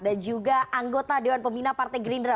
dan juga anggota dewan pemina partai gerindra